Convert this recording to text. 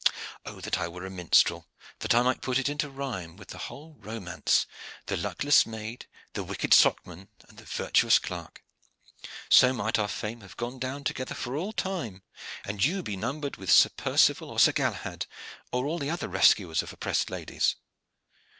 Oh that I were a minstrel, that I might put it into rhyme, with the whole romance the luckless maid, the wicked socman, and the virtuous clerk! So might our fame have gone down together for all time, and you be numbered with Sir Percival or Sir Galahad, or all the other rescuers of oppressed ladies."